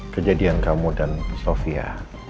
kejadian kamu dan sofia